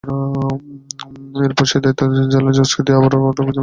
এরপর সেই দায়িত্ব জেলা জজকে দিয়ে আবারও বিধিমালা সংশোধন করা হয়।